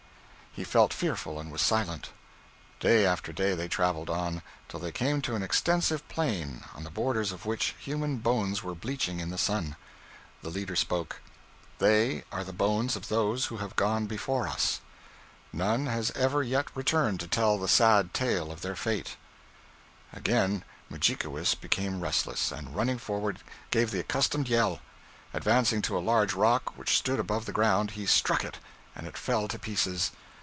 He felt fearful and was silent. Day after day they traveled on, till they came to an extensive plain, on the borders of which human bones were bleaching in the sun. The leader spoke: 'They are the bones of those who have gone before us. None has ever yet returned to tell the sad tale of their fate.' Again Mudjikewis became restless, and, running forward, gave the accustomed yell. Advancing to a large rock which stood above the ground, he struck it, and it fell to pieces.